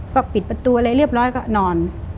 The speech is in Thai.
ก็ปิดประตูอะไรเรียบร้อยก็นอน